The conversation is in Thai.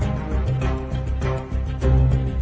มันเป็นเด็กในเตรียมตลอด